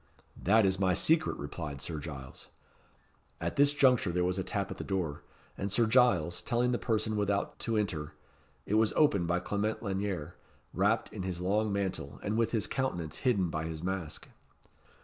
"That is my secret," replied Sir Giles. At this juncture there was a tap at the door, and Sir Giles, telling the person without to enter, it was opened by Clement Lanyere, wrapped in his long mantle, and with his countenance hidden by his mask.